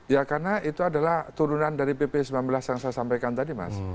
ya karena itu adalah turunan dari pp sembilan belas yang saya sampaikan tadi mas